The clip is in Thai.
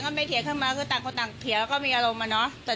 เราก็ตกใจใช่ไหมอ่ะว่าเราก็ไม่คิดว่ามันจะบานปลาย